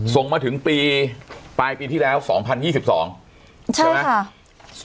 ส่งมาถึงปีปลายปีที่แล้วสองพันยี่สิบสองใช่ไหมใช่ค่ะ